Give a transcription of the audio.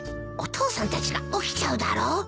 お父さんたちが起きちゃうだろ。